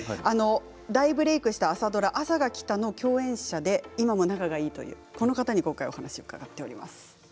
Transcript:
大ブレークした朝ドラ「あさが来た」の共演者で今も仲がいいというこの方に聞いています。